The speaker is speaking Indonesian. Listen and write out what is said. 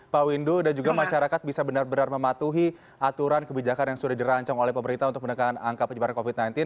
pak windu dan juga masyarakat bisa benar benar mematuhi aturan kebijakan yang sudah dirancang oleh pemerintah untuk menekan angka penyebaran covid sembilan belas